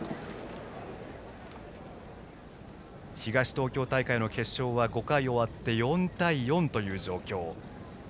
東東京大会の決勝は５回終わって４対４という状況。